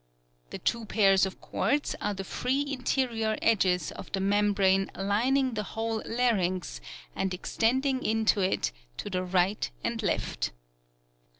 The two pairs of cords are the free interior edges of the membrane lining the whole larynx and extending into it to the right and left.